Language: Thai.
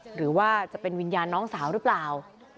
หรือว่าจะเป็นวิญญาณน้องสาวหรือเปล่า